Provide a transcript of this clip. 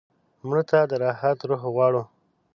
مړه ته د راحت روح غواړو